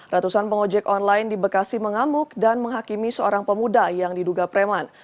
ratusan pengojek online di bekasi mengamuk dan menghakimi seorang pemuda yang diduga preman